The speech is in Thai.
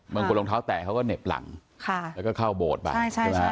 บางคนรองเท้าแตะเขาก็เหน็บหลังค่ะแล้วก็เข้าโบสถ์ไปใช่ใช่ใช่